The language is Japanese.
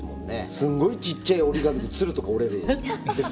すんごいちっちゃい折り紙で鶴とか折れるんですから。